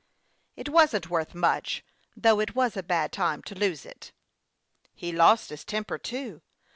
" It wasn't worth much, though it was a bad time to lose it." " He lost his temper, too.